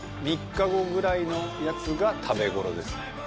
３日後ぐらいのやつが食べ頃ですね。